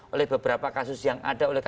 oleh beberapa kasus yang ada oleh